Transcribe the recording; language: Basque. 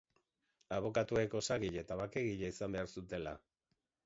Abokatuek osagile eta bakegile izan behar zutela.